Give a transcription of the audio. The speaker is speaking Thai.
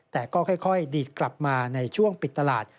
แต่ก็ค่อยดีดกลับมาในช่วงปิดตลาด